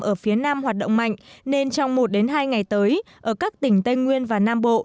ở phía nam hoạt động mạnh nên trong một hai ngày tới ở các tỉnh tây nguyên và nam bộ